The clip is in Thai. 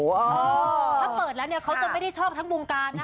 ถ้าเปิดแล้วเนี่ยเขาจะไม่ได้ชอบทั้งวงการนะ